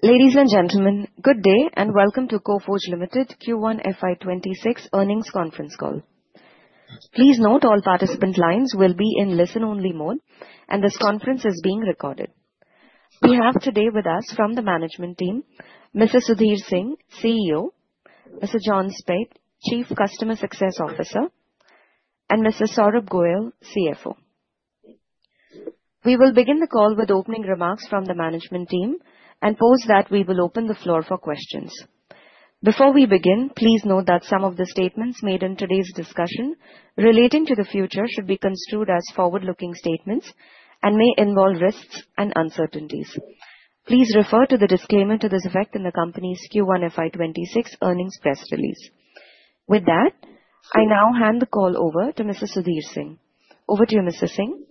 Ladies and gentlemen, good day, and welcome to Coforge Limited Q1 FY 'twenty six Earnings Conference Call. Please note all participant lines will be in listen only mode and this conference is being recorded. We have today with us from the management team, Mr. Sudhir Singh, CEO Mr. John Spade, Chief Customer Success Officer and Mr. Saurabh Goyal, CFO. We will begin the call with opening remarks from the management team, and post that, we will open the floor for questions. Before we begin, please note that some of the statements made in today's discussion relating to the future should be construed as forward looking statements and may involve risks and uncertainties. Please refer to the disclaimer to this effect in the company's Q1 FY 'twenty six earnings press release. With that, I now hand the call over to Mr. Sudhir Singh. Over to you, Mr. Singh.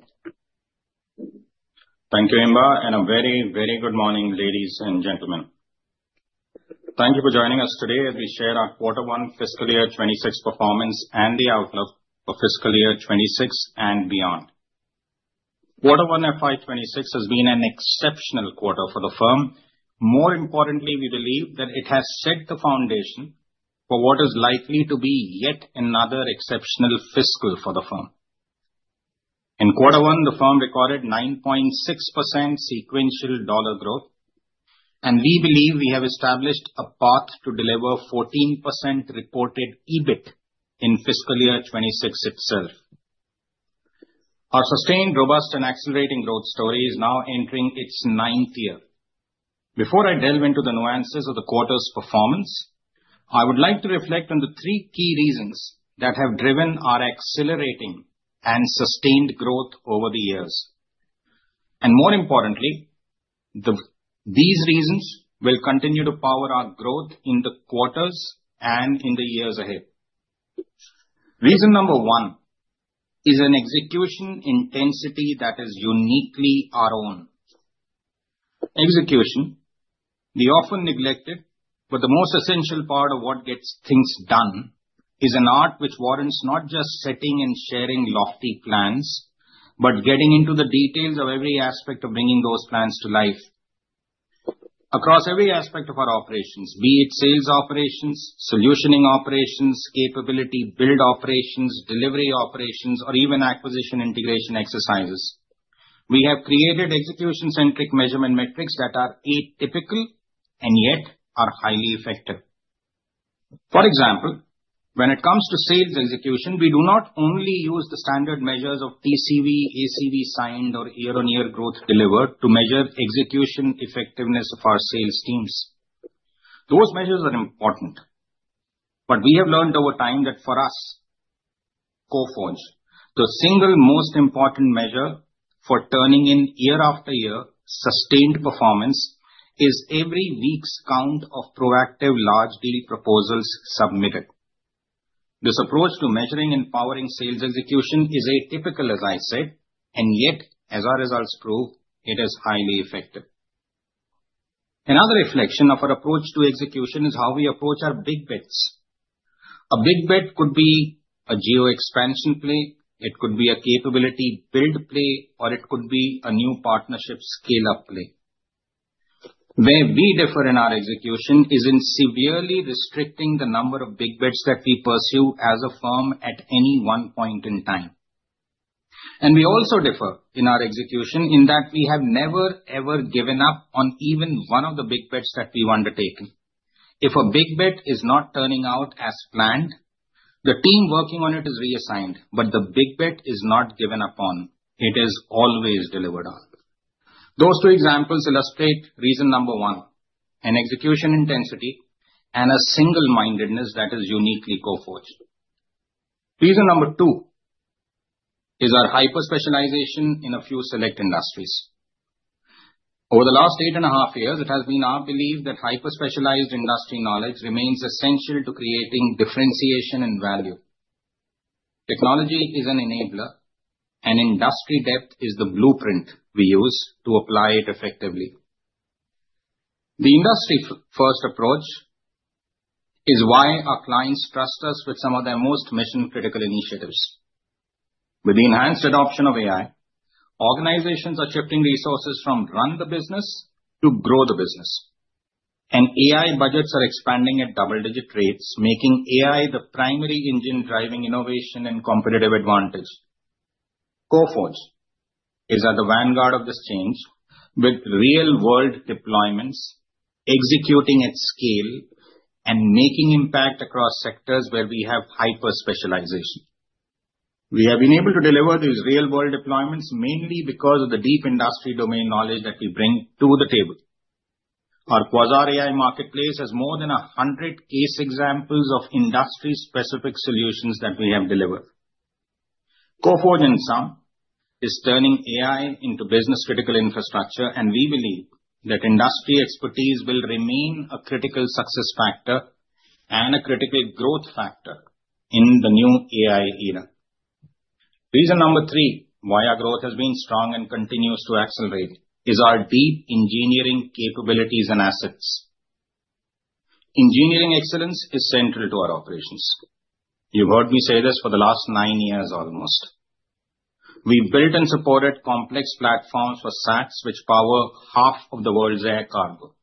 Thank you, Imba, and a very, very good morning, ladies and gentlemen. Thank you for joining us today as we shared our quarter one fiscal year 'twenty six performance and the outlook for fiscal year 'twenty six and beyond. Quarter one FY twenty twenty six has been an exceptional quarter for the firm. More importantly, we believe that it has set the foundation for what is likely to be yet another exceptional fiscal for the firm. In quarter one, the firm recorded 9.6% sequential dollar growth, and we believe we have established a path to deliver 14% reported EBIT in fiscal year twenty six itself. Our sustained robust and accelerating growth story is now entering its ninth year. Before I delve into the nuances of the quarter's performance, I would like to reflect on the three key reasons that have driven our accelerating and sustained growth over the years. And more importantly, these reasons will continue to power our growth in the quarters and in the years ahead. Reason number one is an execution intensity that is uniquely our own. Execution, the often neglected, but the most essential part of what gets things done is an art which warrants not just setting and sharing lofty plans, but getting into the details of every aspect of bringing those plans to life. Across every aspect of our operations, be it sales operations, solutioning operations, capability, build operations, delivery operations, or even acquisition integration exercises, we have created execution centric measurement metrics that are atypical and yet are highly effective. For example, when it comes to sales execution, we do not only use the standard measures of TCV, ACV signed or year on year growth delivered to measure execution effectiveness of our sales teams. Those measures are important. But we have learned over time that for us, CoFoans, the single most important measure for turning in year after year sustained performance is every week's count of proactive large deal proposals submitted. This approach to measuring and powering sales execution is atypical, as I said, and yet, as our results prove, it is highly effective. Another reflection of our approach to execution is how we approach our big bets. A big bet could be a geo expansion play, it could be a capability build play, or it could be a new partnership scale up play. Where we differ in our execution is in severely restricting the number of big bets that we pursue as a firm at any one point in time. And we also differ in our execution in that we have never ever given up on even one of the big bets that we've undertaken. If a big bet is not turning out as planned, the team working on it is reassigned, but the big bet is not given up on. It is always delivered on. Those two examples illustrate reason number one, an execution intensity and a single mindedness that is uniquely co forged. Reason number two is our hyper specialization in a few select industries. Over the last eight and a half years, it has been our belief that hyper specialized industry knowledge remains essential to creating differentiation and value. Technology is an enabler, and industry depth is the blueprint we use to apply it effectively. The industry first approach is why our clients trust us with some of their most mission critical initiatives. With the enhanced adoption of AI, organizations are shifting resources from run the business to grow the business, And AI budgets are expanding at double digit rates, making AI the primary engine driving innovation and competitive advantage. Go Forge is at the vanguard of this change with real world deployments, executing at scale, and making impact across sectors where we have hyper specialization. We have been able to deliver these real world deployments mainly because of the deep industry domain knowledge that we bring to the table. Our Quazar AI marketplace has more than 100 case examples of industry specific solutions that we have delivered. Coforge in sum is turning AI into business critical infrastructure, and we believe that industry expertise will remain a critical success factor and a critical growth factor in the new AI era. Reason number three why our growth has been strong and continues to accelerate is our deep engineering capabilities and assets. Engineering excellence is central to our operations. You've heard me say this for the last nine years almost. We built and supported complex platforms for sats, which power half of the world's air cargo.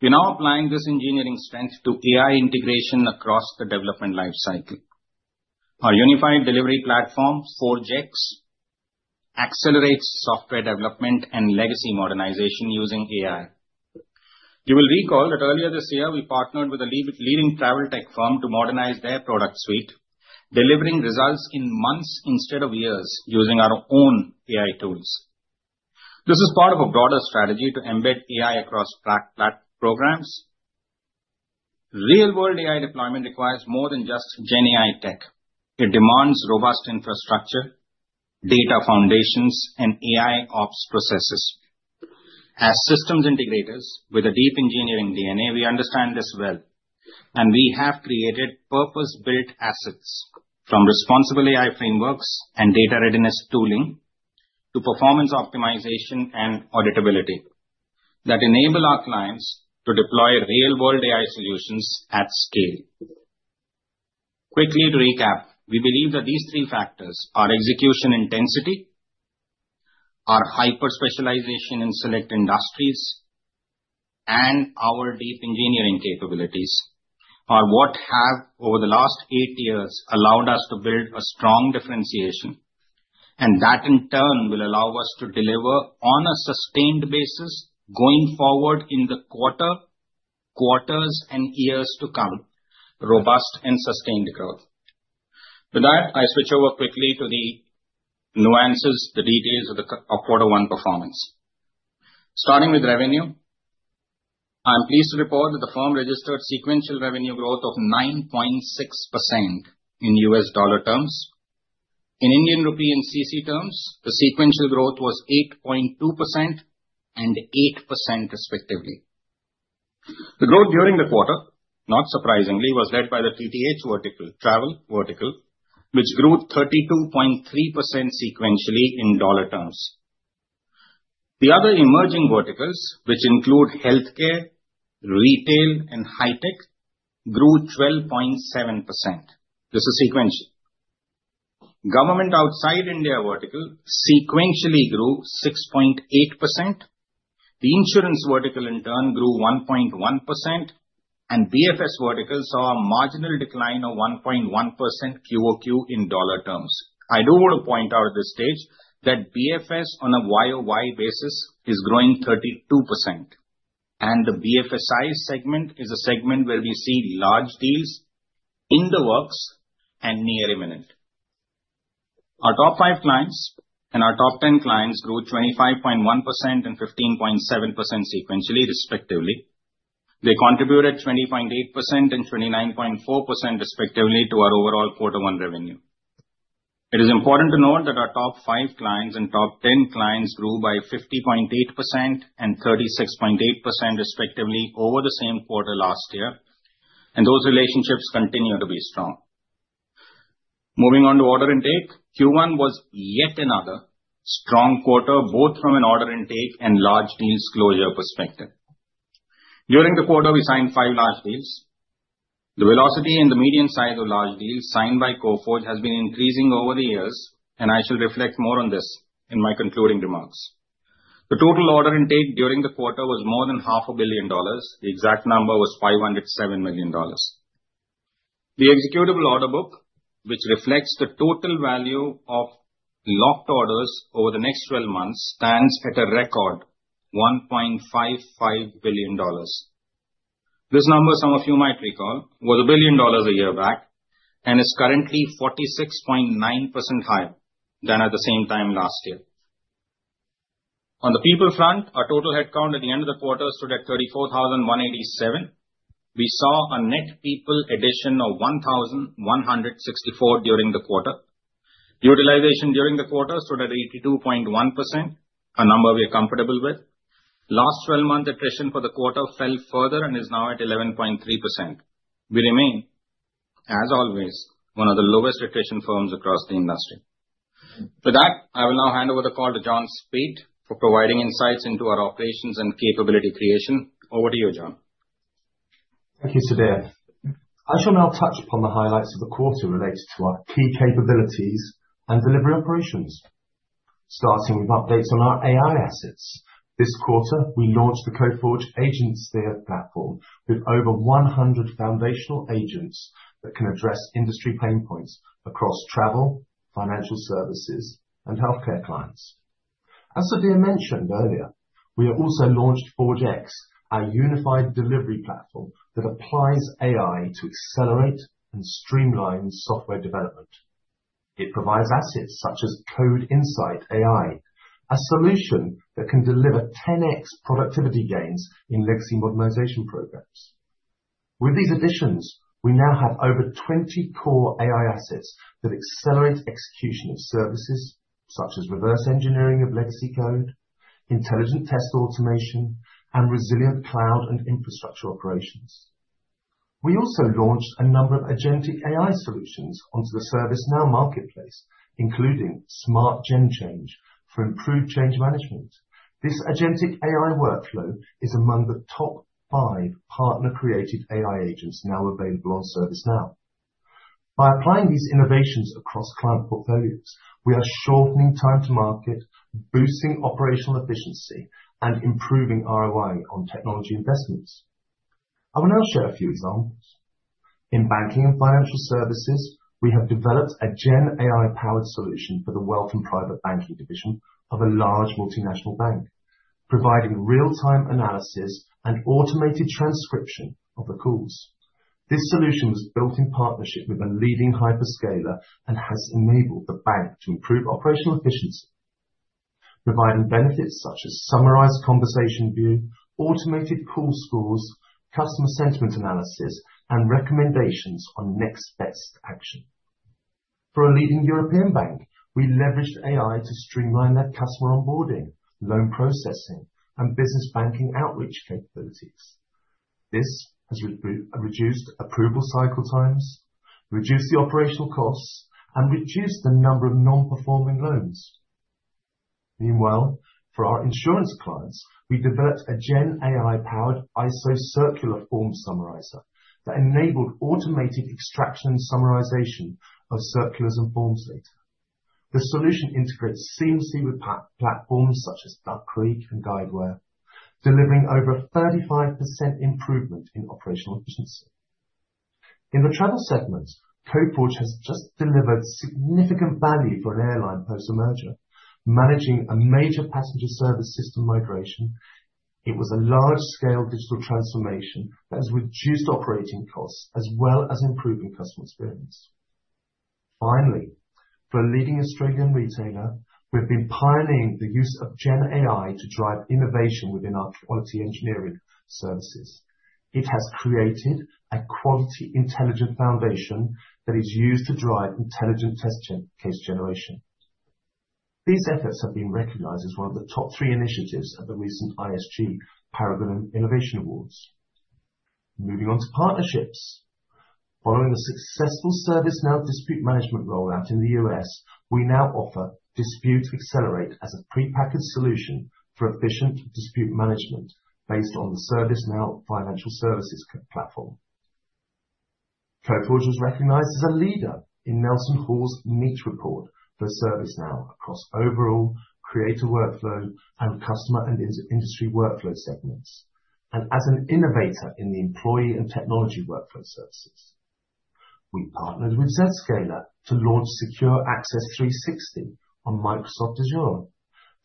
We're now applying this engineering strength to AI integration across the development life cycle. Our unified delivery platform, four g x, accelerates software development and legacy modernization using AI. You will recall that earlier this year, we partnered with a leading travel tech firm to modernize their product suite, delivering results in months instead of years using our own AI tools. This is part of a broader strategy to embed AI across flat flat programs. Real world AI deployment requires more than just GenAI tech. It demands robust infrastructure, data foundations, and AI ops processes. As systems integrators with a deep engineering DNA, we understand this well, and we have created purpose built assets from responsible AI frameworks and data readiness tooling to performance optimization and auditability that enable our clients to deploy real world AI solutions at scale. Quickly to recap, we believe that these three factors are execution intensity, our hyper specialization in select industries, and our deep engineering capabilities are what have over the last eight years allowed us to build a strong differentiation. And that in turn will allow us to deliver on a sustained basis going forward in the quarter, quarters and years to come, robust and sustained growth. With that, I switch over quickly to the nuances, the details of the quarter one performance. Starting with revenue, I'm pleased to report that the firm registered sequential revenue growth of 9.6% in US dollar terms. In Indian rupee and CC terms, the sequential growth was 8.28% respectively. The growth during the quarter, not surprisingly, was led by the TTH vertical, Travel vertical, which grew 32.3% sequentially in dollar terms. The other emerging verticals, which include Healthcare, Retail and High-tech, grew 12.7%. This is sequential. Government outside India vertical sequentially grew 6.8%. The insurance vertical in turn grew 1.1% and BFS vertical saw a marginal decline of 1.1% Q o Q in dollar terms. I do want to point out at this stage that BFS on a Y o Y basis is growing 32%. And the BFSI segment is a segment where we see large deals in the works and near imminent. Our top five clients and our top 10 clients grew 25.115.7% sequentially, respectively. They contributed 20.829.4%, respectively, to our overall quarter one revenue. It is important to note that our top five clients and top 10 clients grew by fifty point eight percent and thirty six point eight percent respectively over the same quarter last year, and those relationships continue to be strong. Moving on to order intake, Q1 was yet another strong quarter, both from an order intake and large deals closure perspective. During the quarter, we signed five large deals. The velocity and the median size of large deals signed by Coforth has been increasing over the years, and I shall reflect more on this in my concluding remarks. The total order intake during the quarter was more than $05,000,000,000 The exact number was 507000000Dollars The executable order book, which reflects the total value of locked orders over the next twelve months, stands at a record $1,550,000,000 This number, some of you might recall, was $1,000,000,000 a year back and is currently 46.9 percent higher than at the same time last year. On the people front, our total headcount at the end of the quarter stood at 34,187. We saw a net people addition of eleven sixty four during the quarter. Utilization during the quarter stood at 82.1%, a number we are comfortable with. Last twelve month attrition for the quarter fell further and is now at 11.3%. We remain, as always, one of the lowest attrition firms across the industry. With that, I will now hand over the call to John Spieth for providing insights into our operations and capability creation. Over to you, John. Thank you, Sudhir. I shall now touch upon the highlights of the quarter related to our key capabilities and delivery operations. Starting with updates on our AI assets, this quarter, we launched the Coforge agent steer platform with over 100 foundational agents that can address industry pain points across travel, financial services, and health care clients. As Sudhir mentioned earlier, we have also launched ForgeX, our unified delivery platform that applies AI to accelerate and streamline software development. It provides assets such as CodeInsight AI, a solution that can deliver 10 x productivity gains in legacy modernization programs. With these additions, we now have over 20 core AI assets that accelerate execution of services, such as reverse engineering of legacy code, intelligent test automation, and resilient cloud and infrastructure operations. We also launched a number of agentic AI solutions onto the ServiceNow marketplace, including smart gen change for improved change management. This agentic AI workflow is among the top five partner created AI agents now available on ServiceNow. By applying these innovations across client portfolios, we are shortening time to market, boosting operational efficiency, and improving ROI on technology investments. I will now share a few examples. In banking and financial services, we have developed a Gen AI powered solution for the wealth and private banking division of a large multinational bank, providing real time analysis and automated transcription of the calls. This solution was built in partnership with a leading hyperscaler and has enabled the bank to improve operational efficiency, providing benefits such as summarized conversation view, automated call scores, customer sentiment analysis, and recommendations on next best action. For a leading European bank, we leveraged AI to streamline their customer onboarding, loan processing, and business banking outreach capabilities. This has reduced approval cycle times, reduced the operational costs, and reduced the number of nonperforming loans. Meanwhile, for our insurance clients, we developed a Gen AI powered ISO circular form summarizer that enabled automated extraction summarization of circulars and forms data. The solution integrates seamlessly with platforms such as Duck Creek and Guidewire, delivering over 35% improvement in operational efficiency. In the travel segments, Coporge has just delivered significant value for an airline post merger, managing a major passenger service system migration. It was a large scale digital transformation that has reduced operating costs as well as improving customer experience. Finally, for a leading Australian retailer, we've been pioneering the use of Gen AI to drive innovation within our quality engineering services. It has created a quality intelligent foundation that is used to drive intelligent test gen case generation. These efforts have been recognized as one of the top three initiatives at the recent ISG Paragon Innovation Awards. Moving on to partnerships. Following the successful ServiceNow dispute management rollout in The US, we now offer Dispute Accelerate as a prepackaged solution for efficient dispute management based on the ServiceNow financial services platform. Kirkforge was recognized as a leader in Nelson Hall's meet report for ServiceNow across overall creator workflow and customer and industry workflow segments and as an innovator in the employee and technology workflow services. We partnered with Zscaler to launch Secure Access three sixty on Microsoft Azure,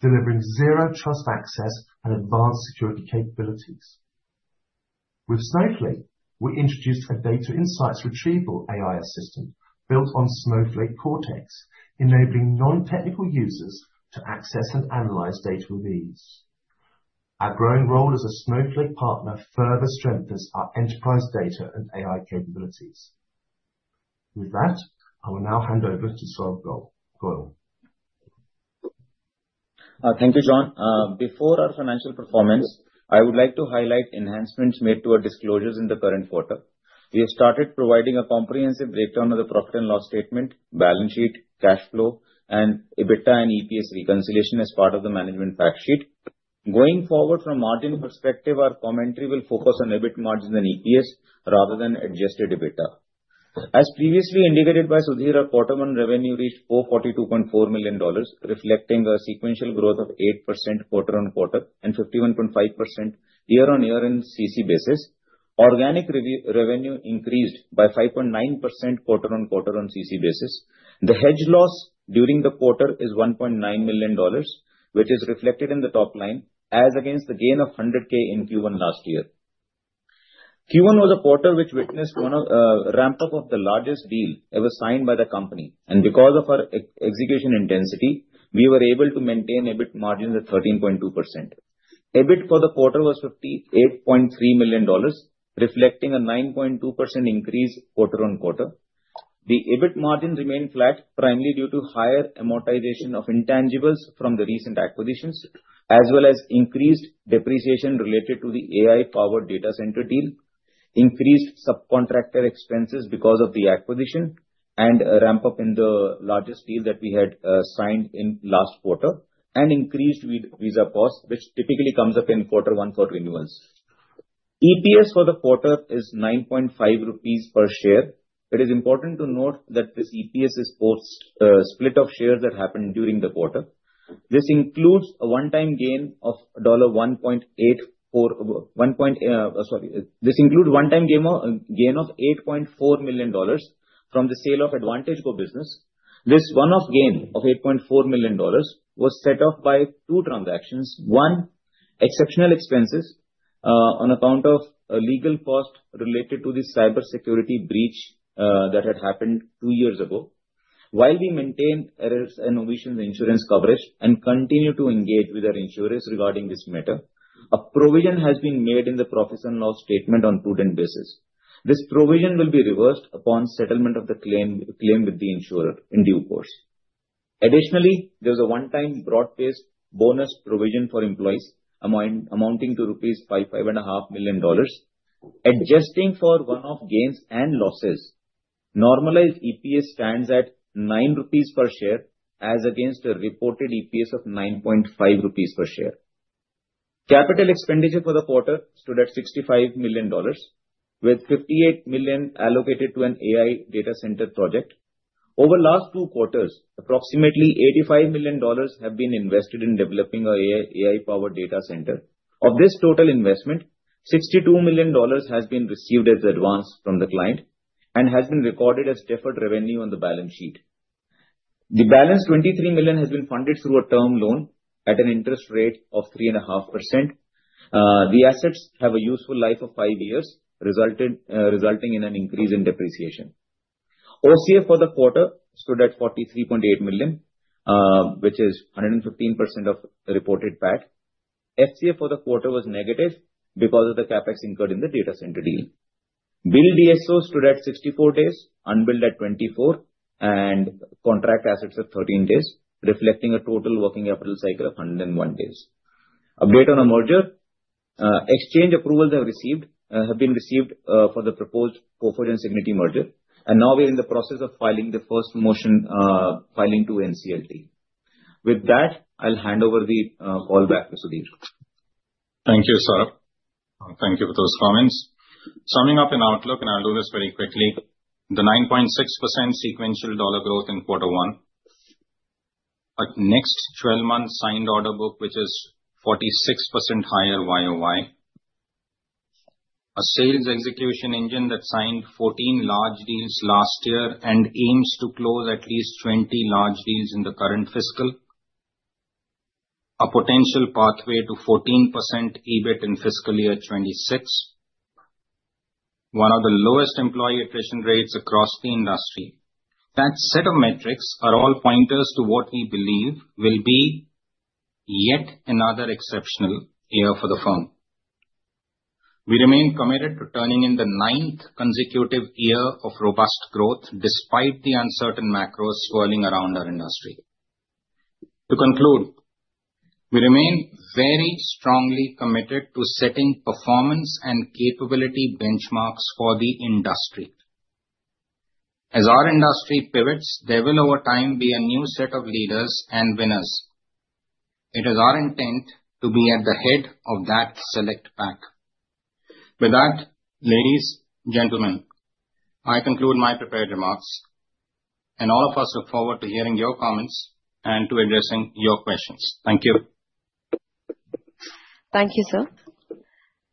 delivering zero trust access and advanced security capabilities. With Snowflake, we introduced a data insights retrieval AI assistant built on Snowflake Cortex, enabling nontechnical users to access and analyze data with ease. Our growing role as a Snowflake partner further strengthens our enterprise data and AI capabilities. With that, I will now hand over to Sogol. Gol. Thank you, John. Before our financial performance, would like to highlight enhancements made to our disclosures in the current quarter. We have started providing a comprehensive breakdown of the profit and loss statement, balance sheet, cash flow and EBITDA and EPS reconciliation as part of the management fact sheet. Going forward from margin perspective, our commentary will focus on EBIT margin and EPS rather than adjusted EBITDA. As previously indicated by Sudhir, quarter one revenue reached $442,400,000 reflecting a sequential growth of 8% quarter on quarter and 51.5% year on year in CC basis. Organic revenue increased by 5.9% quarter on quarter on CC basis. The hedge loss during the quarter is $1,900,000 which is reflected in the top line as against the gain of 100 ks in Q1 last year. Q1 was a quarter which witnessed ramp up of the largest deal ever signed by the company. And because of our execution intensity, we were able to maintain EBIT margins at 13.2%. EBIT for the quarter was 58,300,000 reflecting a 9.2% increase quarter on quarter. The EBIT margin remained flat, primarily due to higher amortization of intangibles from the recent acquisitions, as well as increased depreciation related to the AI powered data center deal, increased subcontractor expenses because of the acquisition and a ramp up in the largest deal that we had signed in last quarter and increased visa costs, which typically comes up in quarter one for renewals. EPS for the quarter is 9.5 rupees per share. It is important to note that this EPS is post split of shares that happened during the quarter. This includes a one time gain of $1.84 sorry, this include one time gain of $8,400,000 from the sale of Advantage Go business. This one off gain of $8,400,000 was set up by two transactions. One, exceptional expenses on account of a legal cost related to the cybersecurity breach that had happened two years ago. While we maintain errors and omission insurance coverage and continue to engage with our insurers regarding this matter, a provision has been made in the professional statement on prudent basis. This provision will be reversed upon settlement of the claim with the insurer in due course. Additionally, there's a one time broad based bonus provision for employees amounting to Rs. $55,500,000 Adjusting for one off gains and losses, normalized EPS stands at Rs. 9 per share as against a reported EPS of 9.5 rupees per share. Capital expenditure for the quarter stood at $65,000,000 with 58,000,000 allocated to an AI data center project. Over last two quarters, approximately $85,000,000 have been invested in developing our AI powered data center. Of this total investment, dollars 62,000,000 has been received as advance from the client and has been recorded as deferred revenue on the balance sheet. The balance 23,000,000 has been funded through a term loan at an interest rate of 3.5%. The assets have a useful life of five years resulting in an increase in depreciation. OCF for the quarter stood at 43,800,000.0, which is 115% of reported PAT. FCA for the quarter was negative because of the CapEx incurred in the data center deal. Bill DSOs stood at sixty four days, unbilled at twenty four, and contract assets at thirteen days, reflecting a total working capital cycle of one hundred and one days. Update on our merger. Exchange approvals have been received for the proposed Cofer and Signeti merger. And now we're in the process of filing the first motion filing to NCLT. With that, I'll hand over the call back to Sudhir. Thank you, Saurabh. Thank you for those comments. Summing up in outlook, and I'll do this very quickly. The 9.6 sequential dollar growth in quarter one, our next twelve months signed order book, which is 46% higher Y o Y a sales execution engine that signed 14 large deals last year and aims to close at least 20 large deals in the current fiscal a potential pathway to 14% EBIT in fiscal year twenty six, one of the lowest employee attrition rates across the industry. That set of metrics are all pointers to what we believe will be yet another exceptional year for the firm. We remain committed to turning in the ninth consecutive year of robust growth despite the uncertain macros swirling around our industry. To conclude, we remain very strongly committed to setting performance and capability benchmarks for the industry. As our industry pivots, there will over time be a new set of leaders and winners. It is our intent to be at the head of that select pack. With that, ladies, gentlemen, I conclude my prepared remarks, and all of us look forward to hearing your comments and to addressing your questions. Thank you. Thank you, sir.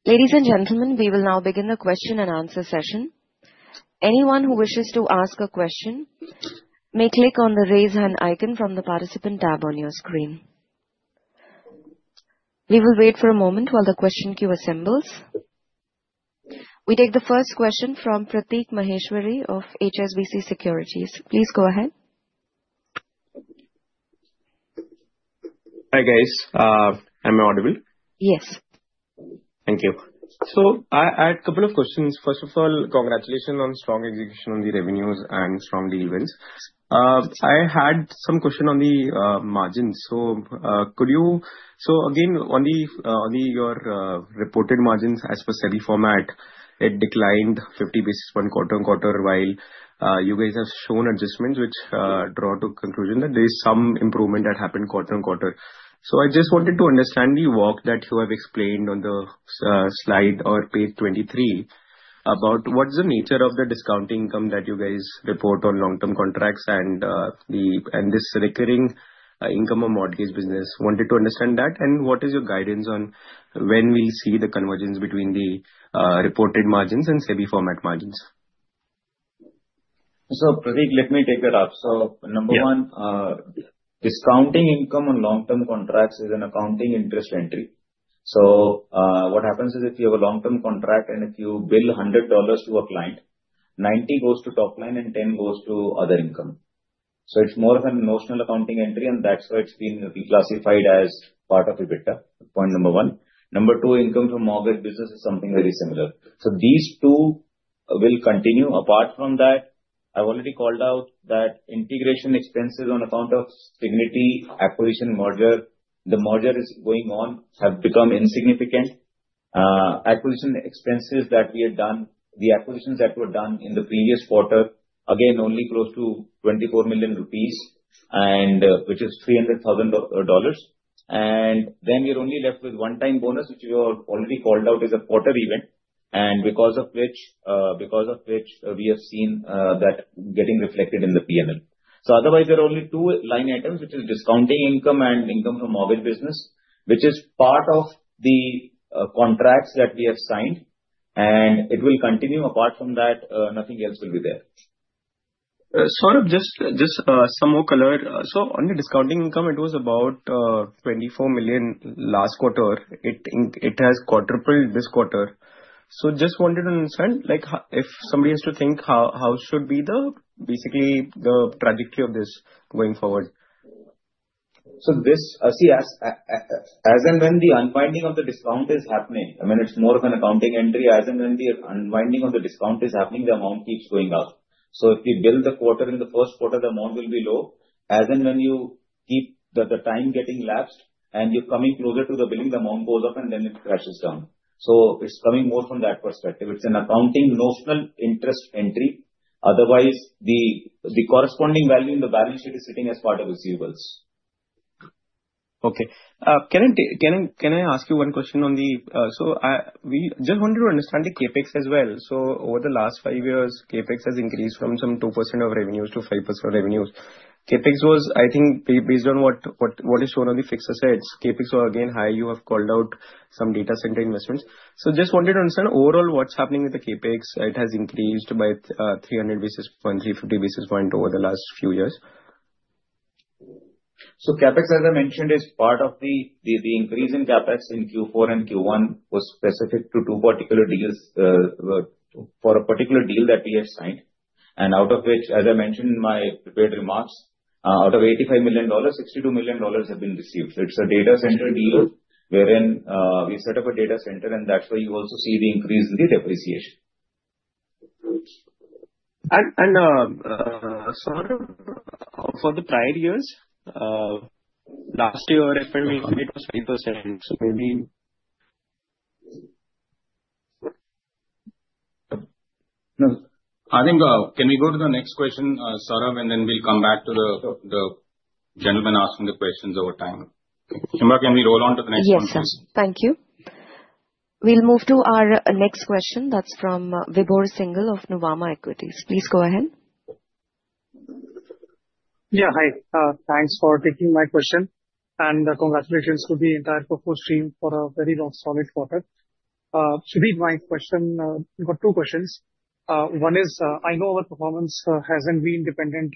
Ladies and gentlemen, we will now begin the question and answer session. Anyone who wishes to ask a question may click on the raise hand icon from the participant tab on your screen. We take the first question from Prateek Maheshwari of HSBC Securities. Please go ahead. Hi, guys. Am I audible? Yes. Thank you. So I I had couple of questions. First of all, congratulations on strong execution on the revenues and strong deal wins. I had some question on the margins. So could you so, again, on the on the your reported margins as per semi format, it declined 50 basis point quarter on quarter while you guys have shown adjustments which draw to conclusion that there is some improvement that happened quarter on quarter. So I just wanted to understand the work that you have explained on the slide or page 23 about what's the nature of the discount income that you guys report on long term contracts and the and this recurring income or mortgage business. Wanted to understand that. And what is your guidance on when we see the convergence between the reported margins and semi format margins? So, Pradeep, let me take that up. So number one, discounting income on long term contracts is an accounting interest entry. So what happens is if you have a long term contract and if you bill $100 to a client, 90 goes to top line and 10 goes to other income. So it's more of an notional accounting entry, and that's why it's been reclassified as part of EBITDA, point number one. Number two, income from mortgage business is something very similar. So these two will continue. Apart from that, I've already called out that integration expenses on account of Signity acquisition merger, the merger is going on, have become insignificant. Acquisition expenses that we had done, the acquisitions that were done in the previous quarter, again only close to 24 million rupees, and which is $300,000 And then we're only left with one time bonus, which we already called out as a quarter event. And because of which because of which, we have seen that getting reflected in the P and L. So otherwise, there are only two line items, which is discounting income and income from mortgage business, which is part of the contracts that we have signed, and it will continue. Apart from that, nothing else will be there. Saurabh, just just some more color. So on the discounting income, it was about 24,000,000 last quarter. It it has quadrupled this quarter. So just wanted to understand, like, if somebody has to think how how should be the, basically, the trajectory of this going forward? So this see, as as and when the unwinding of the discount is happening, I mean, it's more of an accounting entry as and when the unwinding of the discount is happening, the amount keeps going up. So if we build the quarter in the first quarter, the amount will be low. As and when you keep the the time getting lapsed and you're coming closer to the billing, the amount goes up and then it crashes down. So it's coming more from that perspective. It's an accounting notional interest entry. Otherwise, the the corresponding value in the balance sheet is sitting as part of receivables. Okay. Can I can I ask you one question on the so we just wanted to understand the CapEx as well? So over the last five years, CapEx has increased from some 2% of revenues to 5% of revenues. CapEx was, I think, based on what what is shown on the fixed assets, CapEx were again high. You have called out some data center investments. So just wanted to understand overall what's happening with the CapEx. It has increased by 300 basis point, three fifty basis point over the last few years. So CapEx, as I mentioned, is part of the the the increase in CapEx in q four and q one was specific to two particular deals for a particular deal that we have signed. And out of which, as I mentioned in my prepared remarks, out of $85,000,000.62000000 dollars have been received. So it's a data center deal wherein we set up a data center, and that's why you also see the increase in the depreciation. And and sort of for the prior years, last year, it's been a bit of a savings. So maybe I think, can we go to the next question, Sarab, and then we'll come back to the the gentleman asking the questions over time. Simba, can we roll on to the next one, please? Thank you. We'll move to our next question. That's from Vibhor Singhal of Navama Equities. Please go ahead. Yes. Hi. Thanks for taking my question, and congratulations to the entire purpose team for a very long solid quarter. Sudip, my question, we've got two questions. One is, I know our performance hasn't been dependent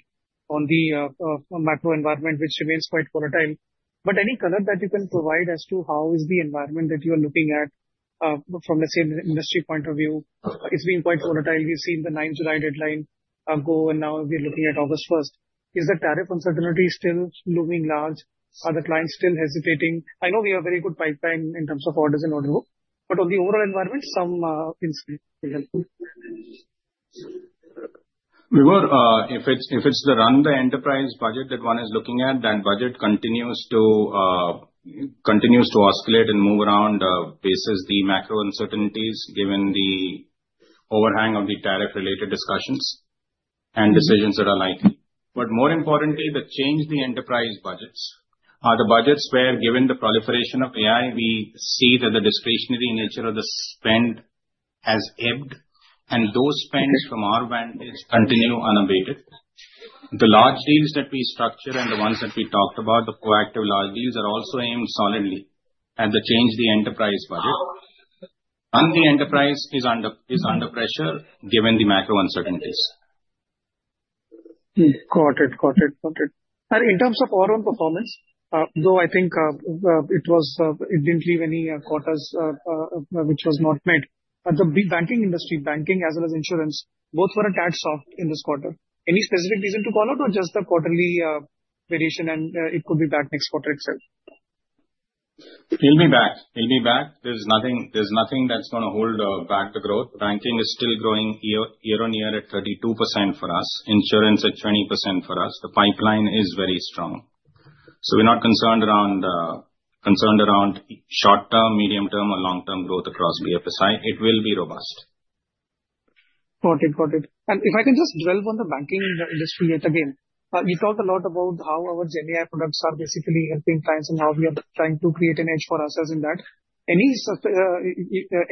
on the macro environment, which remains quite volatile. But any color that you can provide as to how is the environment that you are looking at from the same industry point of view? It's been quite volatile. You've seen the September deadline ago, and now we're looking at August 1. Is the tariff uncertainty still looming large? Are the clients still hesitating? I know we have very good pipeline in terms of orders and order book, but on the overall environment, some We were if it's if it's the run the enterprise budget that one is looking at, that budget continues to continues to oscillate and move around basis the macro uncertainties given the overhang of the tariff related discussions, and decisions that are like, but more importantly, the change the enterprise budgets are the budgets where given the proliferation of AI, we see that the discretionary nature of the spend has ebbed. And those spends from our band is continue unabated. The large deals that we structured and the ones that we talked about the proactive large deals are also aimed solidly at the change the enterprise budget. And the enterprise is under pressure given the macro uncertainties. Got it. Got it. Got it. And in terms of our own performance, though I think it was it didn't leave any quarters, which was not met. The big banking industry, banking as well as insurance, both were a tad soft in this quarter. Any specific reason to call out or just the quarterly variation and it could be back next quarter itself? It will be back. He'll be back. There's nothing there's nothing that's going to hold back the growth ranking is still growing year on year at 32%. For Us insurance at 20%. For us, the pipeline is very strong. So we're not concerned around concerned around short term, medium term or long term growth across BFSI. It will be robust. Got it. Got it. And if I can just dwell on the banking industry yet again. You talked a lot about how our Gen products are basically helping clients and how we are trying to create an edge for ourselves in that. Any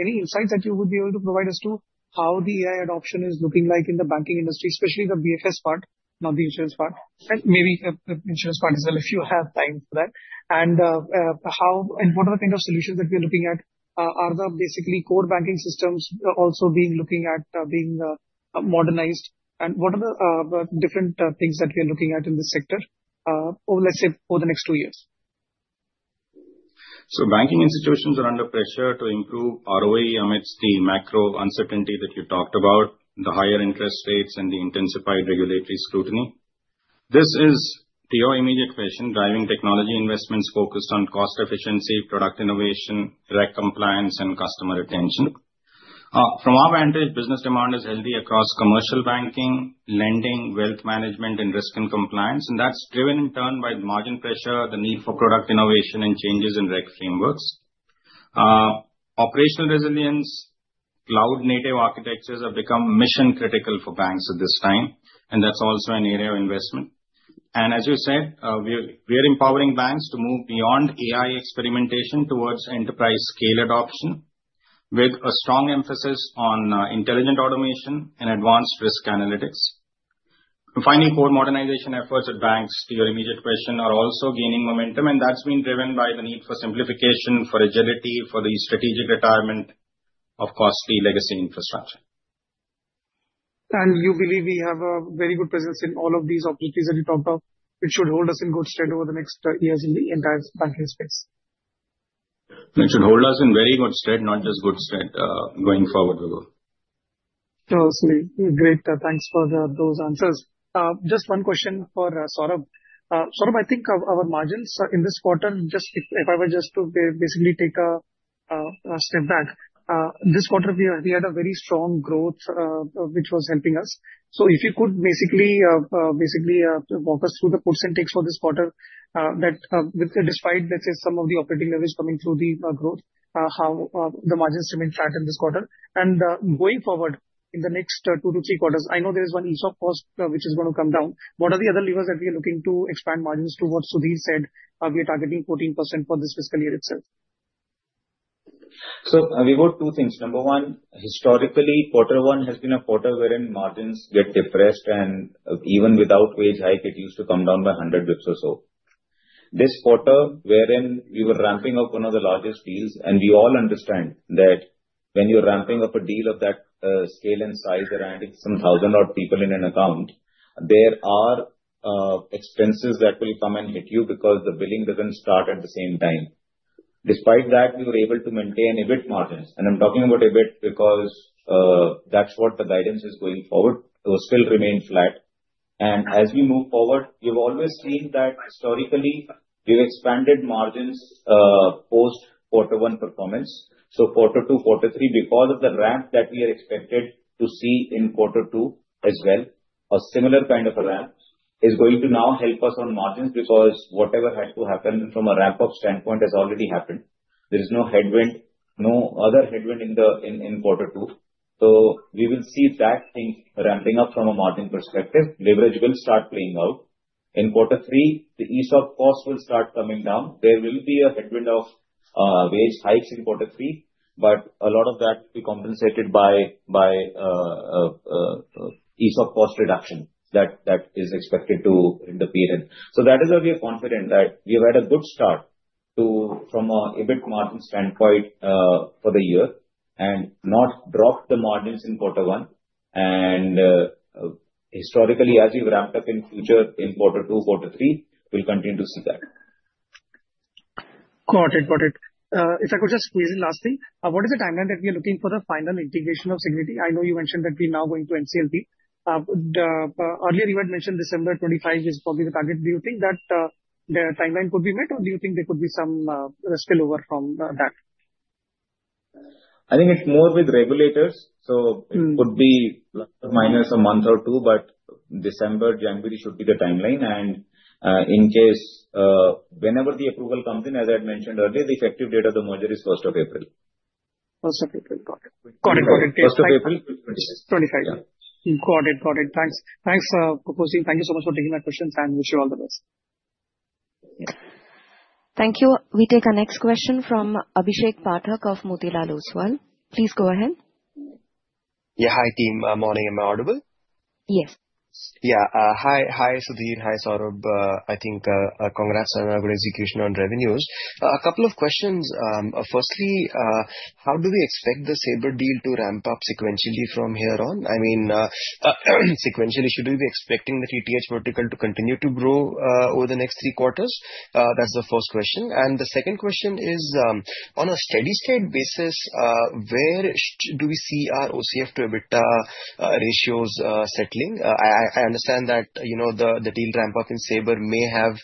any insights that you would be able to provide us to how the AI adoption is looking like in the banking industry, especially the BFS part, not the insurance part. Right. Maybe the the insurance part as well if you have time for that. And how and what are the kind of solutions that we're looking at? Are the basically core banking systems also being looking at being modernized? And what are the different things that we are looking at in the sector, let's say for the next two years? So banking institutions are under pressure to improve ROE amidst the macro uncertainty that you talked about, the higher interest rates and the intensified regulatory scrutiny. This is to your immediate vision, driving technology investments focused on cost efficiency, product innovation, direct compliance, and customer retention. From our advantage, business demand is healthy across commercial banking, lending, wealth management, and risk and compliance, and that's driven in turn by margin pressure, the need for product innovation, and changes in direct frameworks. Operational resilience, cloud native architectures have become mission critical for banks at this time, and that's also an area of investment. And as you said, we're we're empowering banks to move beyond AI experimentation towards enterprise scale adoption with a strong emphasis on intelligent automation and advanced risk analytics. And finally, core modernization efforts at banks, to your immediate question, are also gaining momentum, and that's been driven by the need for simplification, for agility, for the strategic retirement of costly legacy infrastructure. And you believe we have a very good presence in all of these opportunities that you talked about. It should hold us in good stead over the next years in the entire banking space. It should hold us in very good stead, not just good stead going forward, Raghur. Absolutely. Great. Thanks for those answers. Just one question for Saurabh. Saurabh, think our margins in this quarter, just if I were just to basically take a step back, this quarter we had a very strong growth, which was helping us. So if you could basically walk us through the puts and takes for this quarter that despite, let's say, some of the operating leverage coming through the growth, how the margins remain flat in this quarter. And going forward, in the next two to three quarters, I know there is one ease of cost, which is going to come down. What are the other levers that we are looking to expand margins towards Sudhir said? Are we targeting 14% for this fiscal year itself? So we got two things. Number one, historically, one has been a quarter wherein margins get depressed and even without wage hike, it used to come down by 100 bps or so. This quarter, wherein we were ramping up one of the largest deals, and we all understand that when you're ramping up a deal of that scale and size around some thousand odd people in an account, there are expenses that will come and hit you because the billing doesn't start at the same time. Despite that, we were able to maintain EBIT margins. And I'm talking about EBIT because that's what the guidance is going forward. It will still remain flat. And as we move forward, you've always seen that historically, we've expanded margins post quarter one performance. So quarter two, quarter three, because of the ramp that we are expected to see in quarter two as well, a similar kind of a ramp is going to now help us on margins because whatever has to happen from a ramp up standpoint has already happened. There is no headwind, no other headwind in the in in quarter two. So we will see that ramping up from a margin perspective, leverage will start playing out. In quarter three, the ease of cost will start coming down. There will be a headwind of wage hikes in quarter three, but a lot of that will be compensated by by ease of cost reduction that that is expected to in the period. So that is why we are confident that we've had a good start to from a EBIT margin standpoint for the year and not drop the margins in quarter one. And historically, as we've ramped up in future in quarter two, quarter three, we'll continue to see that. Got it. Got it. If I could just squeeze in last thing, what is the timeline that we are looking for the final integration of Signiti? I know you mentioned that we're now going to NCLP. The earlier you had mentioned December 25 is probably the target. Do you think that the timeline could be met, or do you think there could be some spillover from that? I think it's more with regulators. So could be minus a month or two, but December, January should be the timeline. And in case, whenever the approval comes in, as I had mentioned earlier, the effective date of the merger is April 1. April 1. Got it. Got it. Got it. It. Thanks. Thanks for posting. Thank you so much for taking my questions and wish you all the best. Thank you. We take our next question from Abhishek Patak of Motilal Oswal. Please go ahead. Yeah. Hi, team. Morning. Am I audible? Yes. Yeah. Hi. Hi, Sudhir. Hi, Saurabh. I think congrats on a good execution on revenues. A couple of questions. Firstly, how do we expect the Sabre deal to ramp up sequentially from here on? I mean, sequentially, should we be expecting the TTH vertical to continue to grow over the next three quarters? That's the first question. And the second question is, on a steady state basis, where do we see our OCF to EBITDA ratios settling? I understand that the deal ramp up in Sabre may have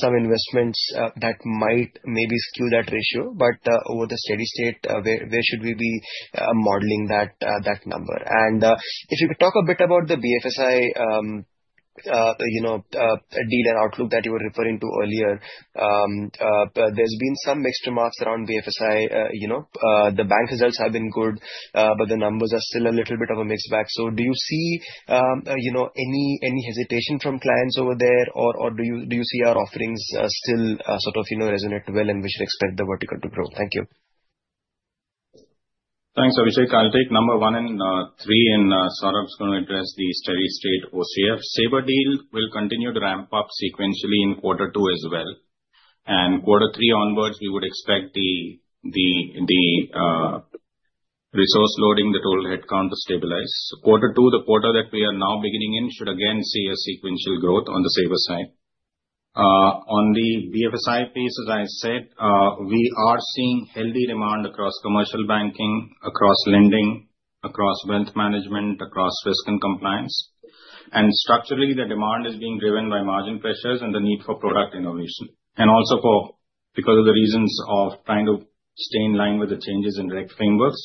some investments that might maybe skew that ratio. But over the steady state, where should we be modeling that number? And if you could talk a bit about the BFSI, know, and outlook that you were referring to earlier, there's been some mixed remarks around BFSI, you know, the bank results have been good, but the numbers are still a little bit of a mixed bag. So do you see any hesitation from clients over there? Or do you see our offerings still sort of resonate well and we should expect the vertical to grow? Thank you. Thanks, Abhishek. I'll take number one and three and Saurabh is going address the steady state OCF. Sabre deal will continue to ramp up sequentially in quarter two as well. And quarter three onwards, we would expect the resource loading, the total headcount to stabilize. Quarter two, the quarter that we are now beginning in should again see a sequential growth on the Sabre side. On the VFSI piece, as I said, we are seeing healthy demand across commercial banking, across lending, across wealth management, across risk and compliance. And structurally, the demand is being driven by margin pressures and the need for product innovation. And also for because of the reasons of trying to stay in line with the changes in direct frameworks.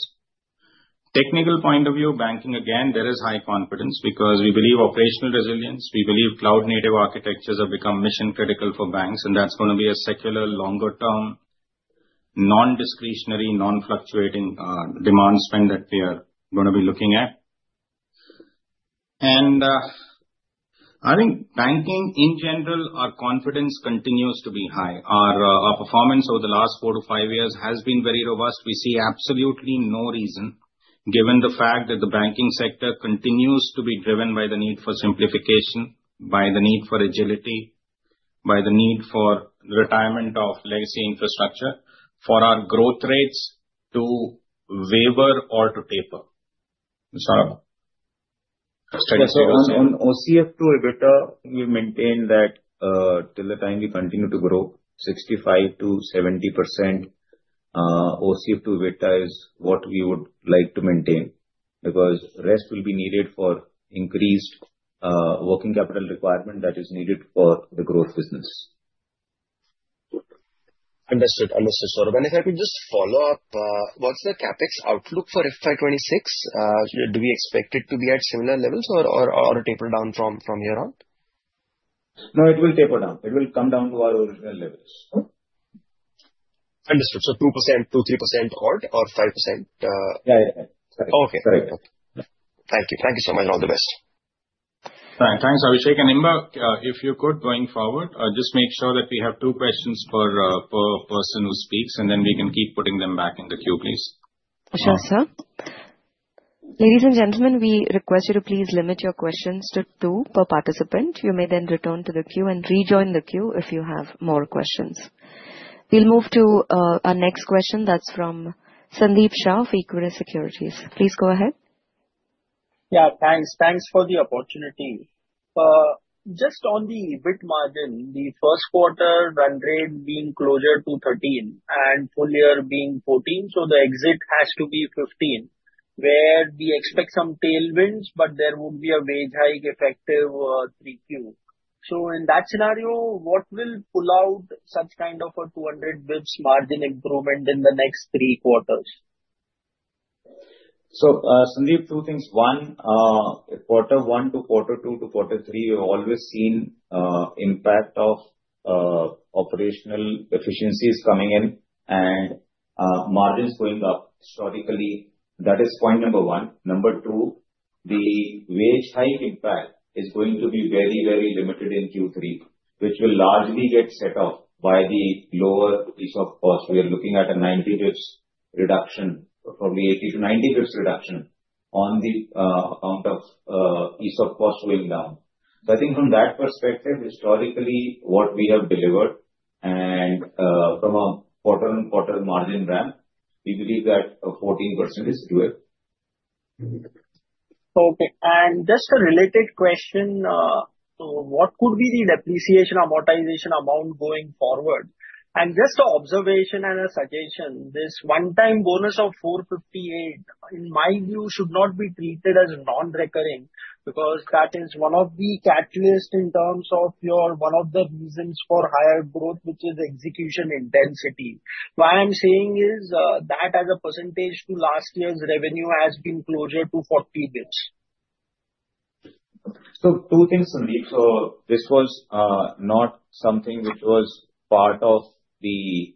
Technical point of view, banking, again, there is high confidence because we believe operational resilience, we believe cloud native architectures have become mission critical for banks, and that's gonna be a secular longer term, nondiscretionary, nonfluctuating demand spend that we are going to be looking at. And I think banking in general, our confidence continues to be high. Our performance over the last four to five years has been very robust. We see absolutely no reason, given the fact that the banking sector continues to be driven by the need for simplification, by the need for agility, by the need for retirement of legacy infrastructure, for our growth rates to waiver or to taper. So on OCF to EBITDA, we maintain that till the time we continue to grow 65 to 70%. OCF to EBITDA is what we would like to maintain because rest will be needed for increased working capital requirement that is needed for the growth business. Understood. Understood, Saurabh. And if I could just follow-up, what's the CapEx outlook for FY '26? Do we expect it to be at similar levels or or or or taper down from from here on? No. It will taper down. It will come down to our original levels. Understood. So 2% to 3% or or 5%? Yeah. Yeah. Yeah. Sorry. Okay. Sorry. Okay. Thank you. Thank you so much. All the best. Alright. Thanks, Abhishek. And, Imbak, if you could, going forward, just make sure that we have two questions per person who speaks, and then we can keep putting them back in the queue, please. Sure, sir. Ladies and gentlemen, we request you to please limit your questions to two per participant. You may then return to the queue and rejoin the queue if you have more questions. We'll move to our next question. That's from Sandeep Shah of Iqra Securities. Please go ahead. Yeah. Thanks. Thanks for the opportunity. Just on the EBIT margin, the first quarter run rate being closer to 13 and full year being 14, so the exit has to be 15 where we expect some tailwinds, but there would be a wage hike effective 3Q. So in that scenario, what will pull out such kind of a 200 bps margin improvement in the next three quarters? So, Sandeep, two things. One, quarter one to quarter two to quarter three, you've always seen impact of operational efficiencies coming in and margins going up. Historically, that is point number one. Number two, the wage hike impact is going to be very, very limited in q three, which will largely get set off by the lower piece of cost. We are looking at a 90 bps reduction, probably 80 to 90 bps reduction on the amount of ease of cost going down. I So think from that perspective, historically, what we have delivered and from a quarter on quarter margin ramp, we believe that 14% is good. Okay. And just a related question. So what could be the depreciation, amortization amount going forward? And just a observation and a suggestion, this onetime bonus of $4.58, in my view, should not be treated as nonrecurring because that is one of the catalyst in terms of your one of the reasons for higher growth, which is execution intensity. Why I'm saying is that as a percentage to last year's revenue has been closer to 40 bps. So two things, Sandeep. So this was not something which was part of the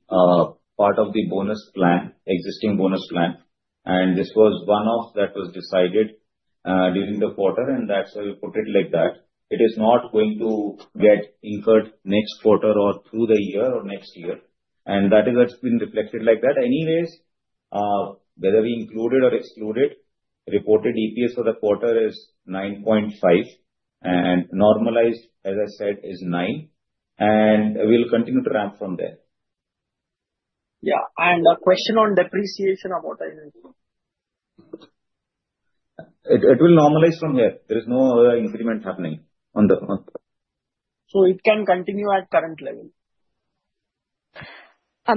part of the bonus plan existing bonus plan. And this was one off that was decided during the quarter and that's I will put it like that. It is not going to get incurred next quarter or through the year or next year. And that is what's been reflected like that. Anyways, whether we included or excluded, reported EPS for the quarter is 9.5 and normalized, as I said, is nine, and we'll continue to ramp from there. Yeah. And a question on depreciation of what I will do. It it will normalize from here. There is no increment happening on the So it can continue at current level.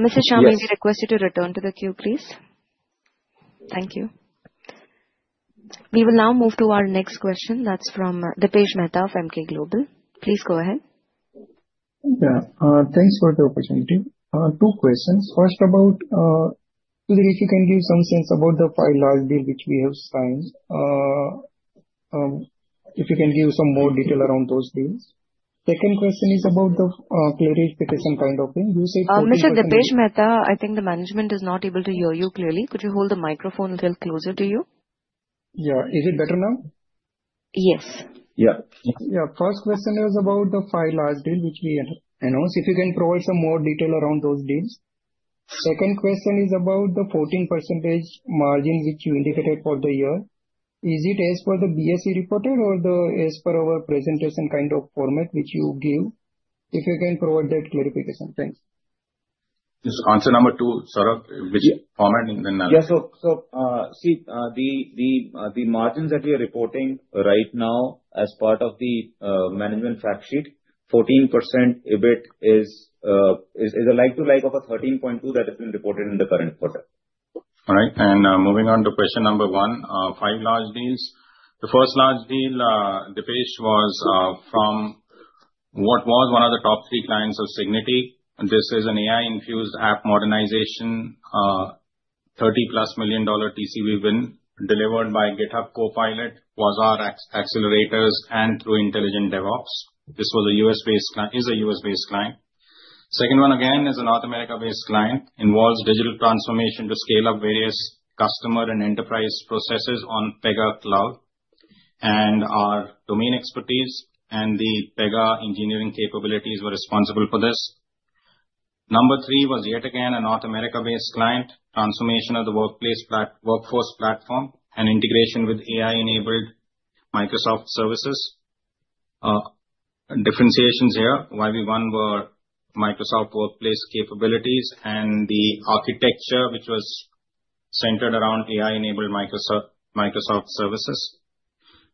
Mister Chamay, we request you to return to the queue, please. Thank you. We will now move to our next question. That's from Dipesh Mehta of MK Global. Please go ahead. Yes. Thanks for the opportunity. Two questions. First about, if you can give some sense about the file large deal which we have signed. If you can give some more detail around those deals. Second question is about the kind of thing. You say Oh, mister Dipesh Mehta, I think the management is not able to hear you clearly. Could you hold the microphone a little closer to you? Yeah. Is it better now? Yes. Yeah. Yeah. First question is about the five large deal, which we had announced. If you can provide some more detail around those deals. Second question is about the 14 percentage margin, which you indicated for the year. Is it as per the BSE reported or the as per our presentation kind of format which you give? If you can provide that clarification. Thanks. This answer number two, Saurabh, which format and then Yeah. So so, see, the the the margins that we are reporting right now as part of the management fact sheet, 14% EBIT is is a like to like of a 13.2 that has been reported in the current quarter. Alright. And moving on to question number one, five large deals. The first large deal, Dipesh, was from what was one of the top three clients of Signity. And this is an AI infused app modernization, 30 plus million dollar TCV win delivered by GitHub Copilot, Wazar accelerators and through intelligent DevOps. This was a US based client is a US based client. Second one, again, is a North America based client, involves digital transformation to scale up various customer and enterprise processes on Pega Cloud, and our domain expertise and the Pega engineering capabilities were responsible for this. Number three was yet again an North America based client, transformation of the workplace plat workforce platform and integration with AI enabled Microsoft services. Differentiations here, why we won were Microsoft workplace capabilities and the architecture, which was centered around AI enabled Microsoft Microsoft services.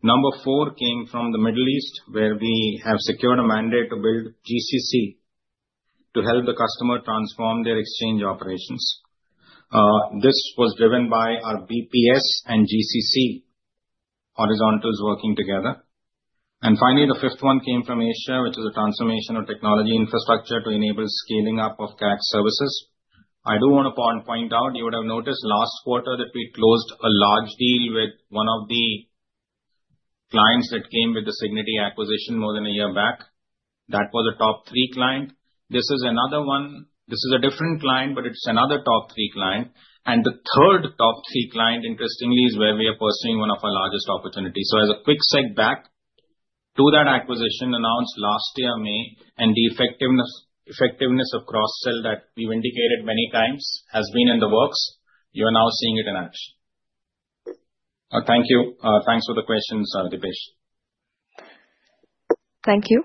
Number four came from The Middle East where we have secured a mandate to build GCC to help the customer transform their exchange operations. This was driven by our BPS and GCC horizontals working together. And finally, fifth one came from Asia, which is a transformation of technology infrastructure to enable scaling up of CAC services. I do want to point out, you would have noticed last quarter that we closed a large deal with one of the clients that came with the Signity acquisition more than a year back. That was a top three client. This is another one. This is a different client, but it's another top three client. And the third top three client interestingly is where we are pursuing one of our largest opportunities. So as a quick seg back to that acquisition announced last year May, and the effectiveness of cross sell that we've indicated many times has been in the works, you are now seeing it in action. Thank you. Thanks for the questions, Dipesh. Thank you.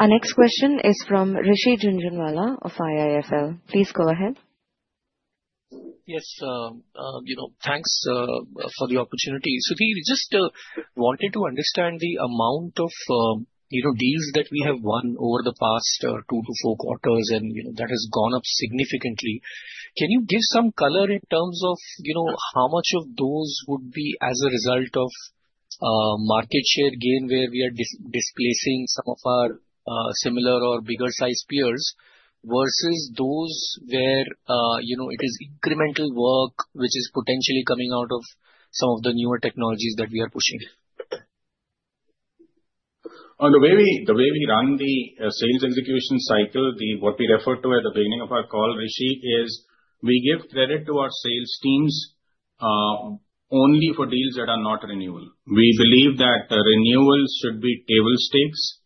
Our next question is from Rishi Junjunwala of IIFL. Please go ahead. For the opportunity. Sudhir, just wanted to understand the amount of deals that we have won over the past two to four quarters, and that has gone up significantly. Can you give some color in terms of how much of those would be as a result of market share gain where we are displacing some of our similar or bigger size peers versus those where, you know, it is incremental work, which is potentially coming out of some of the newer technologies that we are pushing? On the way we the way we run the sales execution cycle, the what we refer to at the beginning of our call, Rishi, is we give credit to our sales teams only for deals that are not renewal. We believe that renewals should be table stakes.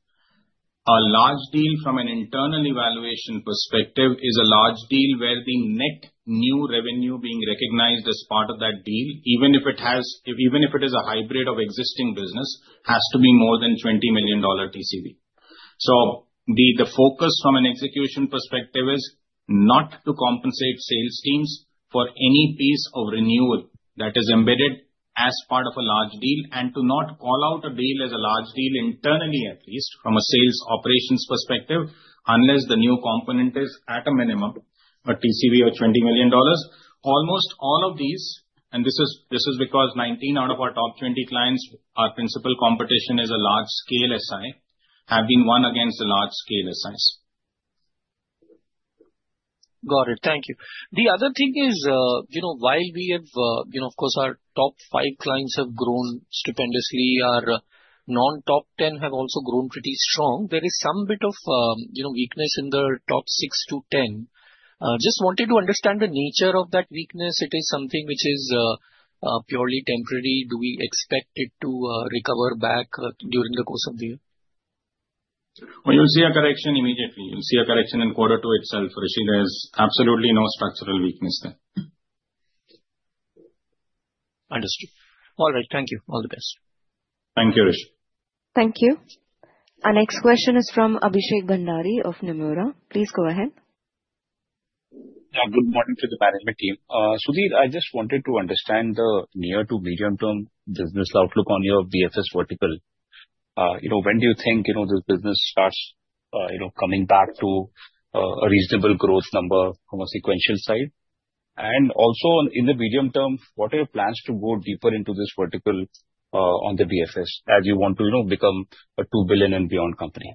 A large deal from an internal evaluation perspective is a large deal where the net new revenue being recognized as part of that deal, even if it is a hybrid of existing business has to be more than $20,000,000 TCV. So the focus from an execution perspective is not to compensate sales teams for any piece of renewal that is embedded as part of a large deal and to not call out a deal as a large deal internally, at least from a sales operations perspective, unless the new component is at a minimum, a TCV of $20,000,000 Almost all of these, and this is because 19 out of our top 20 clients, our principal competition is a large scale SI, have been won against the large scale SIs. Got it. Thank you. The other thing is, you know, while we have, know, of course, our top five clients have grown stupendously, our non top 10 have also grown pretty strong. There is some bit of, you know, weakness in the top six to 10. Just wanted to understand the nature of that weakness. It is something which is, purely temporary. Do we expect it to recover back during the course of the year? Well, you'll see a correction immediately. You'll see a correction in quarter two itself, Rishi. There's absolutely no structural weakness there. All right. Thank you. All the best. Thank you, Harish. Thank you. Our next question is from Abhishek Bandhari of Nomura. Please go ahead. Good morning to the management team. Sudhir, I just wanted to understand the near to medium term business outlook on your BFS vertical. You know, when do you think, you know, this business starts, you know, coming back to reasonable growth number from a sequential side? And also in the medium term, what are your plans to go deeper into this vertical on the BFS as you want to become a 2,000,000,000 and beyond company?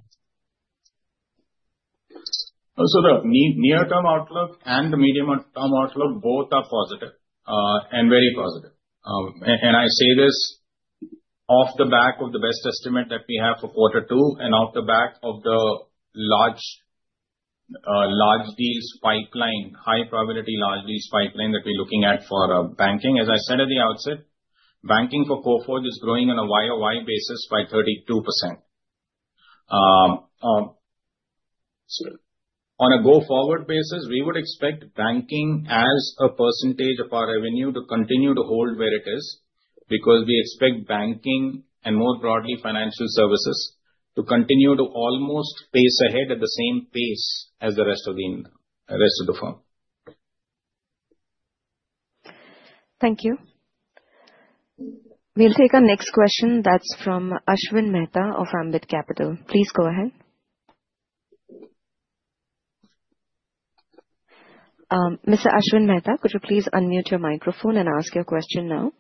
So the near term outlook and the medium term outlook both are positive and very positive. And I say this off the back of the best estimate that we have for quarter two and off the back of the large deals pipeline, high probability large deals pipeline that we're looking at for banking. As I said at the outset, banking for Core4 is growing on a Y o Y basis by 32%. On a go forward basis, we would expect banking as a percentage of our revenue to continue to hold where it is, because we expect banking and more broadly financial services to continue to almost pace ahead at the same pace as the rest of the firm. Thank you. We'll take our next question that's from Ashwin Mehta of Ambit Capital. Please go ahead. Mr. Ashwin Mehta, could you please unmute your microphone and ask your question now?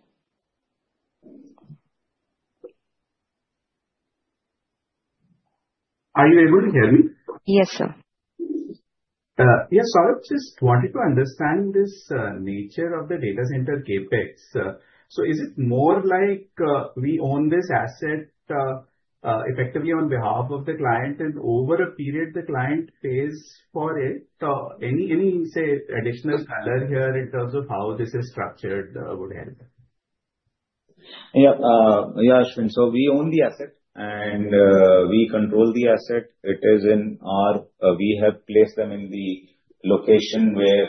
Are you able to hear me? Yes, sir. Yes, sir. Just wanted to understand this nature of the data center CapEx. Is it more like we own this asset effectively on behalf of the client, and over a period, the client pays for it? Any any, say, additional color here in terms of how this is structured would help? Yep. Yeah, Ashwin. So we own the asset, and we control the asset. It is in our we have placed them in the location where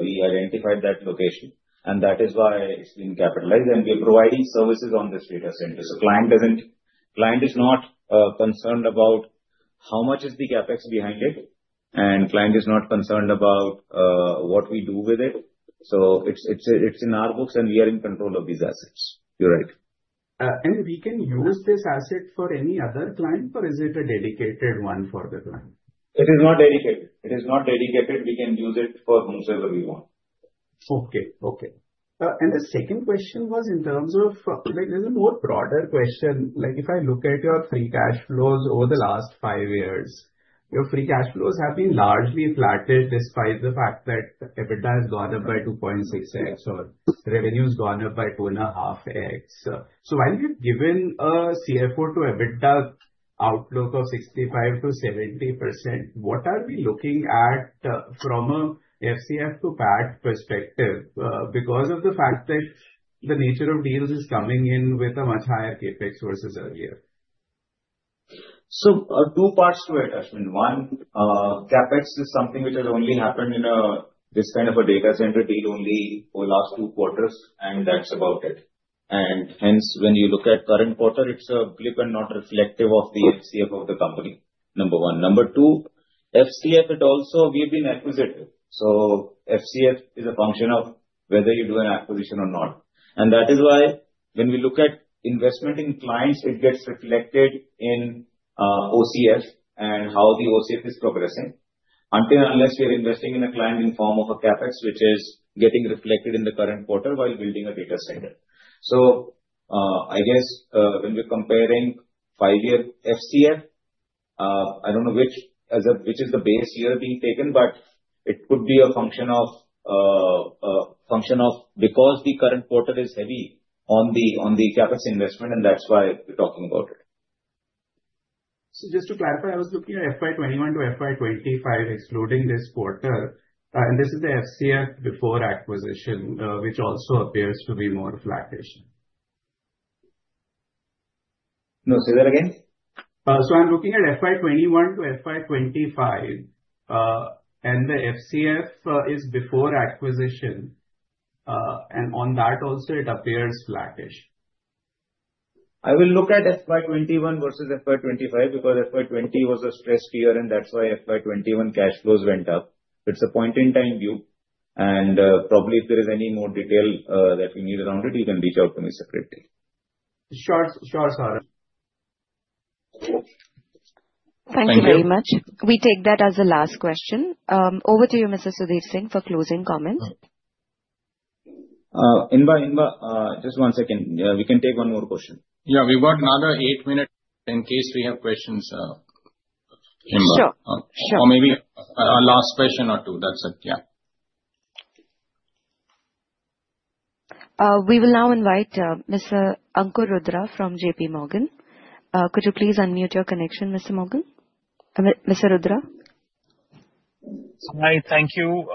we identified that location. And that is why it's been capitalized, and we're providing services on this data center. So client doesn't client is not concerned about how much is the CapEx behind it, and client is not concerned about what we do with it. So it's it's it's in our books, and we are in control of these assets. You're right. And we can use this asset for any other client, or is it a dedicated one for the client? It is not dedicated. It is not dedicated. We can use it for whomsoever we want. Okay. Okay. And the second question was in terms of like, there's a more broader question. Like, if I look at your free cash flows over the last five years, your free cash flows have been largely impacted despite the fact that EBITDA has gone up by 2.6 x or revenue has gone up by two and a half x. While you've given a CFO to EBITDA outlook of 65 to 70%, what are we looking at from a FCF to PAT perspective because of the fact that the nature of deals is coming in with a much higher CapEx versus earlier? So two parts to it, Ashwin. One, CapEx is something which has only happened in this kind of a data center deal only for the last two quarters, and that's about it. And hence, when you look at current quarter, it's a clip and not reflective of the FCF of the company, number one. Number two, FCF had also been acquisitive. So FCF is a function of whether you do an acquisition or not. And that is why when we look at investment in clients, it gets reflected in OCF and how the OCF is progressing. Until unless we are investing in a client in form of a CapEx, which is getting reflected in the current quarter while building a data center. So I guess when we're comparing five year FCF, I don't know which as of which is the base year being taken, but it could be a function of function of because the current quarter is heavy on the on the CapEx investment, and that's why we're talking about it. So just to clarify, was looking at FY '21 to FY '25 excluding this quarter, and this is the FCF before acquisition, which also appears to be more flattish. No. Say that again? So I'm looking at FY twenty one to FY twenty five, and the FCF is before acquisition. And on that also, it appears flattish. I will look at FY twenty one versus FY twenty five because FY twenty was a stressed year, and that's why FY twenty one cash flows went up. It's a point in time view. And probably if there is any more detail that we need around it, you can reach out to me separately. Sure. Sure, Sarek. Thank you very much. We take that as the last question. Over to you, mister Sudhir Singh, for closing comments. Inba Inba, just one second. Yeah. We can take one more question. Yeah. We've got another eight minute in case we have questions, Inba. Sure. Sure. Or maybe a a last question or two. That's it. Yeah. We will now invite mister Ankur Rudra from JPMorgan. Could you please unmute your connection, Mr. Rudra? Hi. Thank you.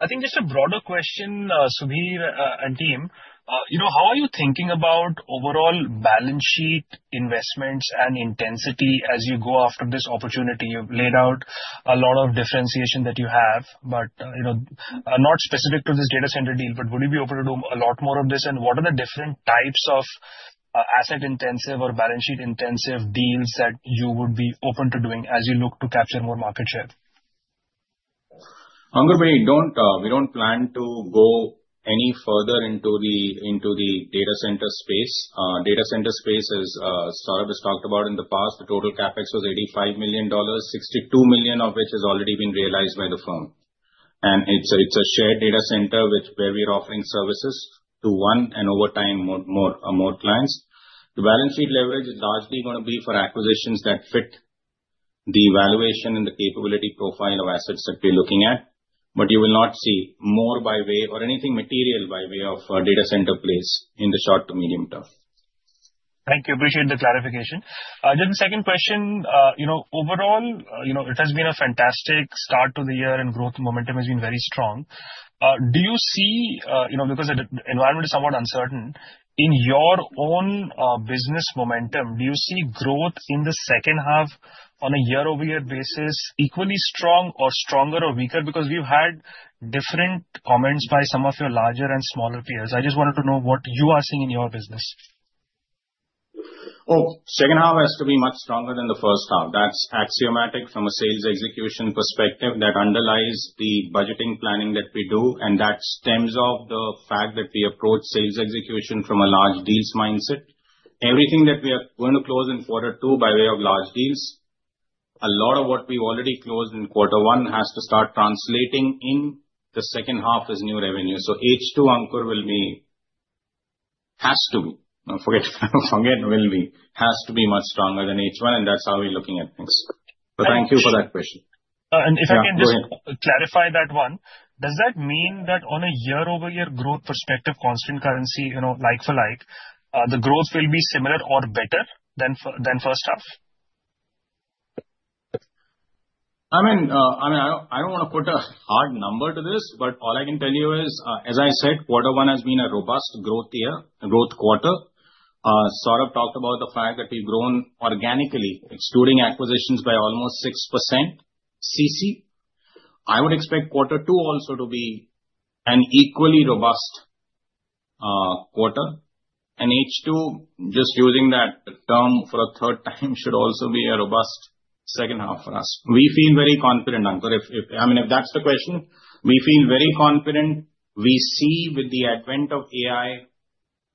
I think just a broader question, Subhir and team. How are you thinking about overall balance sheet investments and intensity as you go after this opportunity? You've laid out a lot of differentiation that you have, but not specific to this data center deal, but will you be open to do a lot more of this? And what are the different types of asset intensive or balance sheet intensive deals that you would be open to doing as you look to capture more market share? Angr, we don't we don't plan to go any further into the into the data center space. Data center space is Sarav has talked about in the past. The total CapEx was $85,000,000, 62,000,000 of which has already been realized by the firm. And it's a it's a shared data center with where we're offering services to one and over time more more clients. The balance sheet leverage is largely going to be for acquisitions that fit the valuation and the capability profile of assets that we're looking at. But you will not see more by way or anything material by way of data center plays in the short to medium term. Thank you. Appreciate the clarification. Then the second question, you know, overall, you know, it has been a fantastic start to the year and growth momentum has been very strong. Do you see because the environment is somewhat uncertain, in your own business momentum, do you see growth in the second half on a year over year basis equally strong or stronger or weaker? Because we've had different comments by some of your larger and smaller peers. I just wanted to know what you are seeing in your business. Oh, second half has to be much stronger than the first half. That's axiomatic from a sales execution perspective that underlies the budgeting planning that we do. And that stems off the fact that we approach sales execution from a large deals mindset. Everything that we are going to close in quarter two by way of large deals, a lot of what we've already closed in quarter one has to start translating in the second half as new revenue. So h two, Ankur, will be has to be forget forget, will be has to be much stronger than h one, and that's how we're looking at things. So thank you for that question. And if I can just clarify that one, does that mean that on a year over year growth perspective, constant currency, you know, like for like, the growth will be similar or better than than first half? I mean, I don't want to put a hard number to this, but all I can tell you is, as I said, quarter one has been a robust growth year, growth quarter. Saurabh talked about the fact that we've grown organically, excluding acquisitions by almost 6% CC. I would expect quarter two also to be an equally robust quarter. And h two, just using that term for a third time should also be a robust second half for us. We feel very confident, Ankur, if if I mean, if that's the question, we feel very confident. We see with the advent of AI,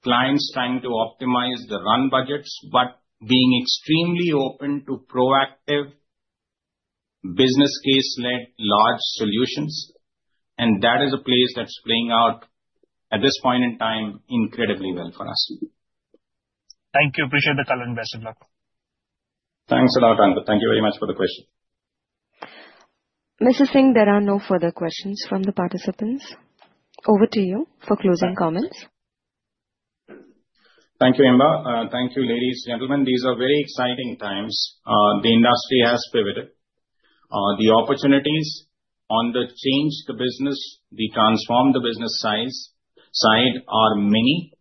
clients trying to optimize the run budgets, but being extremely open to proactive business case led large solutions. And that is a place that's playing out at this point in time incredibly well for us. Thank you. Appreciate the color and best of luck. Thanks a lot, Ankur. Thank you very much for the question. Mr. Singh, there are no further questions from the participants. Over to you for closing Thank you, Imba. Thank you, ladies and gentlemen. These are very exciting times. The industry has pivoted. The opportunities on the change the business, the transform the business size side are many.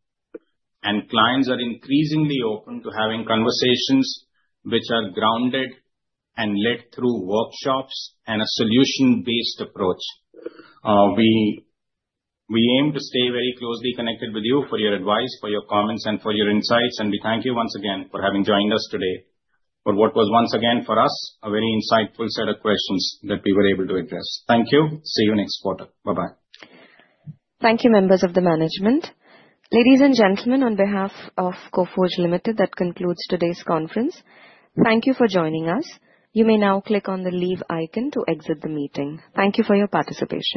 And clients are increasingly open to having conversations, which are grounded and led through workshops and a solution based approach. We we aim to stay very closely connected with you for your advice, for your comments and for your insights. And we thank you once again for having joined us today. For what was once again for us, a very insightful set of questions that we were able to address. Thank you. See you next quarter. Bye bye. Thank you, members of the management. Ladies and gentlemen, on behalf of Goforge Limited, that concludes today's conference. Thank you for joining us. You may now click on the leave icon to exit the meeting. Thank you for your participation.